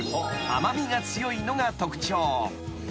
［甘味が強いのが特徴］